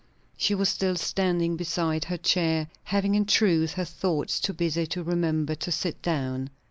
She was still standing beside her chair, having in truth her thoughts too busy to remember to sit down.